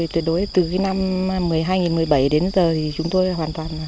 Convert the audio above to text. từ năm hai nghìn một mươi bảy